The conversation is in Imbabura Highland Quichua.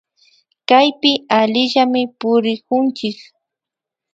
Kaypi allillami purikunchik